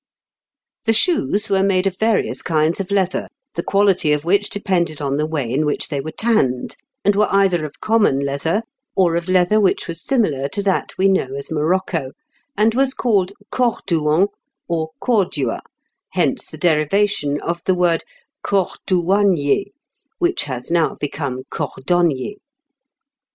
"The shoes were made of various kinds of leather, the quality of which depended on the way in which they were tanned, and were either of common leather, or of leather which was similar to that we know as morocco, and was called cordouan or cordua (hence the derivation of the word cordouannier, which has now become cordonnier).